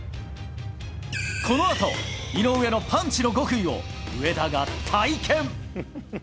このあと、井上のパンチの極意を、上田が体験。